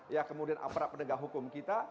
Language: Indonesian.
ya kemudian aparat penegak hukum kita